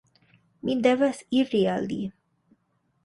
"Mi devas iri al li!"